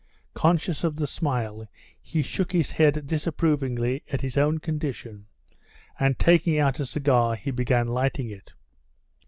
Conscious of this smile, he shook his head disapprovingly at his own condition, and taking out a cigar, he began lighting it.